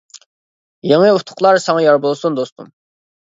يېڭى ئۇتۇقلار ساڭا يار بولسۇن دوستۇم.